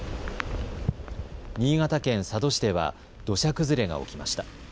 新潟県佐渡市では土砂崩れが起きました。